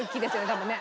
多分ね。